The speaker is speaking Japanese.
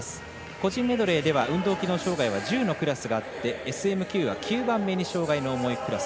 個人メドレーでは運動機能障がいは１０のクラスがあってＳＭ９が９番目に障がいの重いクラス。